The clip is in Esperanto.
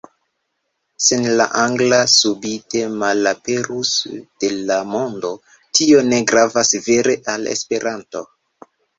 Se la angla subite malaperus de la mondo, tio ne gravas vere al Esperanto.